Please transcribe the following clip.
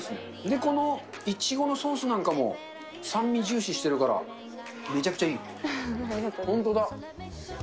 このイチゴのソースなんかも、酸味重視しているから、めちゃくちゃいい。